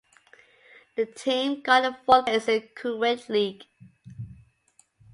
The team got the Fourth place in Kuwait League.